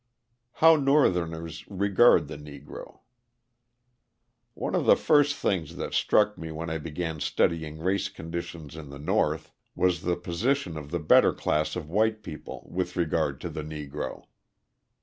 How Northerners Regard the Negro One of the first things that struck me when I began studying race conditions in the North was the position of the better class of white people with regard to the Negro.